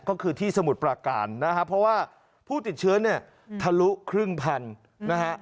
ก็คือที่สมุทรปราการนะครับเพราะว่าผู้ติดเชื้อเนี่ยทะลุครึ่งพันนะฮะ